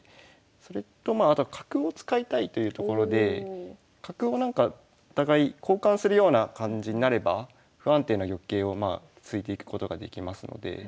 それとまああとは角を使いたいというところで角をなんかお互い交換するような感じになれば不安定な玉形を突いていくことができますので。